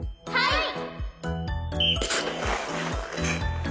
はい！